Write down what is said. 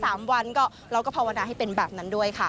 เพราะฉะนั้นเราก็ภาวนาให้เป็นแบบนั้นด้วยค่ะ